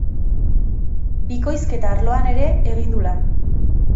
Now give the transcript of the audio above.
Bikoizketa arloan ere egin du lan.